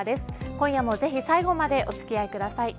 今夜もぜひ最後までお付き合いください。